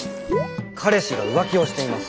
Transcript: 「彼氏が浮気をしています。